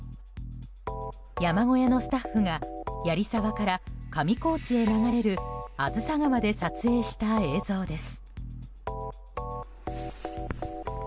山小屋のスタッフが槍沢から上高地へ流れる梓川で撮影した映像です。